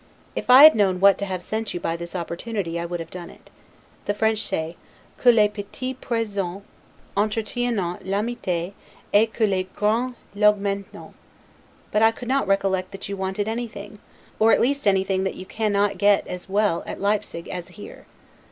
If I had known what to have sent you by this opportunity I would have done it. The French say, 'Que les petits presens entretiennent l'amite et que les grande l'augmentent'; but I could not recollect that you wanted anything, or at least anything that you cannot get as well at Leipsig as here.